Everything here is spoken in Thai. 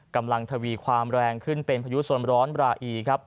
กำลังทวีความแรงขึ้นเป็นพายุสมร้อนราอี